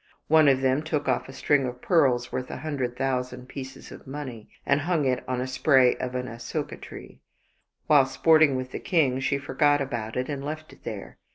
One of them took oflF a string of pearls worth a hundred thousand pieces of money and hung it on a spray of an asoka tree. While sporting with the king she forgot about it and left it there.